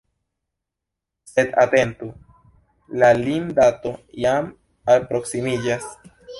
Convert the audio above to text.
Sed atentu: la lim-dato jam alproksimiĝas!